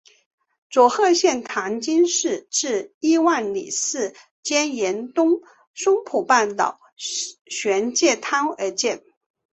佐贺县唐津市至伊万里市间沿东松浦半岛玄界滩而建。